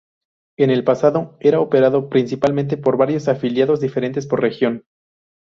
En el pasado, era operado principalmente por varios afiliados diferentes por región.